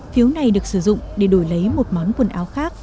phiếu này được sử dụng để đổi lấy một món quần áo khác